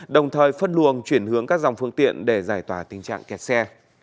đồng thời phân luồng chuyển hướng các dòng phương tiện để giải tỏa tình trạng kẹt xe